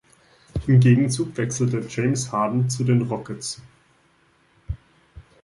Im Gegenzug wechselte James Harden zu den Rockets.